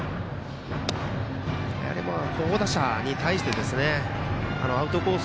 やはり好打者に対してアウトコース